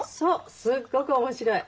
すっごく面白い。